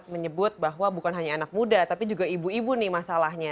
menyebut bahwa bukan hanya anak muda tapi juga ibu ibu nih masalahnya